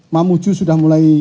mamuju sudah mulai